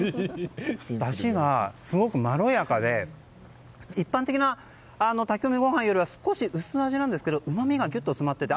だしがすごくまろやかで一般的な炊き込みご飯よりは少し薄味なんですけどうまみがギュッと詰まっていて